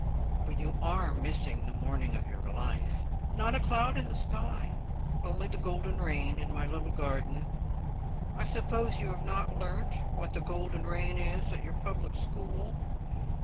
"But you are missing the morning of your life! Not a cloud in the sky, only the golden rain in my little garden. I suppose you have not learnt what the golden rain is at your public school?